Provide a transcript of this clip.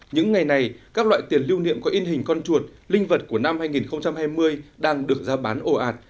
những ngày này các loại tiền lưu niệm có in hình con chuột linh vật của năm hai nghìn hai mươi đang được ra bán ổ ạt